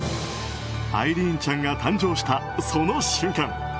アイリーンちゃんが誕生したその瞬間